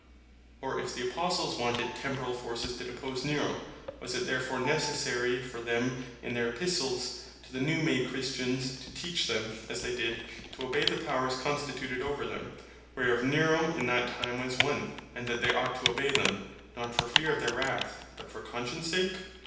Or if the Apostles wanted Temporall forces to depose Nero, was it therefore necessary for them in their Epistles to the new made Christians, to teach them, (as they did) to obey the Powers constituted over them, (whereof Nero in that time was one,) and that they ought to obey them, not for fear of their wrath, but for conscience sake?